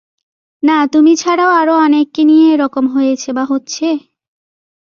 না তুমি ছাড়াও আরো অনেককে নিয়ে এ রকম হয়েছে বা হচ্ছে?